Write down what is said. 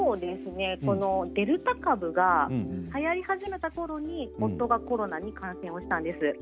デルタ株がはやり始めたころに夫がコロナに感染したんです。